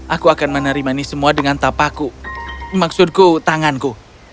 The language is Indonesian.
aku akan menerima ini semua dengan tapaku maksudku tanganku